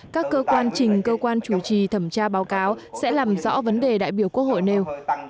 các cơ quan trình cơ quan chủ trì thẩm tra báo cáo sẽ làm rõ vấn đề đại biểu quốc hội nêu